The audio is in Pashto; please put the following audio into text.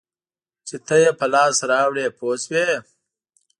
چې ته یې په لاس راوړې پوه شوې!.